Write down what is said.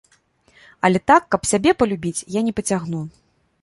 Але так, каб сябе палюбіць, я не пацягну.